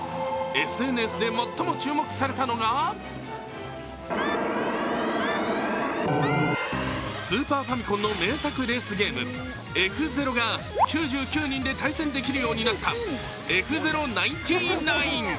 ＳＮＳで最も注目されたのがスーパーファミコンの名作レースゲーム「Ｆ−ＺＥＲＯ」が９９人で対戦できるようになった「Ｆ−ＺＥＲＯ９９」。